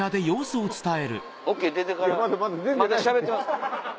ＯＫ出てからまだしゃべってます。